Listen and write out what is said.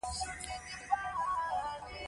د فرعنوو د وخت مذهب او عقیده :